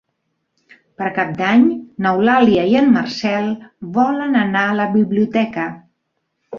Per Cap d'Any n'Eulàlia i en Marcel volen anar a la biblioteca.